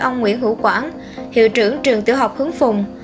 ông nguyễn hữu quảng hiệu trưởng trường tiểu học hướng phùng